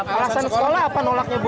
alasan sekolah apa nolaknya bu